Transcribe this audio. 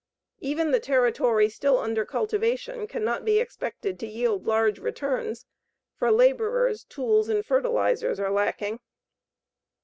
Even the territory still under cultivation cannot be expected to yield large returns, for laborers, tools, and fertilizers are lacking.